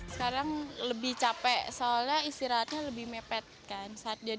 sekarang lebih capek soalnya istirahatnya lebih mepet kan